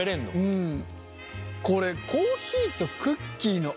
うん。